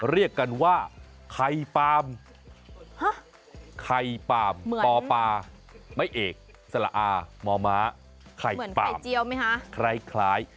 เรียกกันว่าไข่ปาล์มปอปาไม้เอกสละอาหมอม้าไข่ปาล์ม